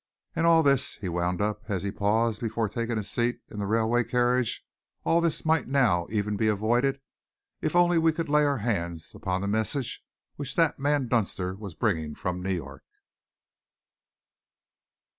And all this," he wound up, as he paused before taking his seat in the railway carriage, "all this might even now be avoided if only we could lay our hands upon the message which that man Dunster was bringing from New York!"